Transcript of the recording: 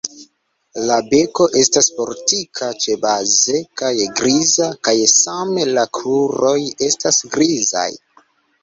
La beko estas fortika ĉebaze kaj griza kaj same la kruroj estas grizaj.